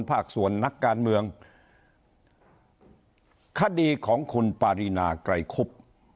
ภาคส่วนนักการเมืองคดีของคุณปารีนาไกรคุบ